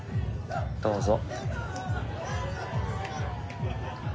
どうぞ。